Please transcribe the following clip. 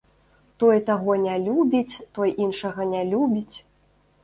Той таго не любіць, той іншага не любіць.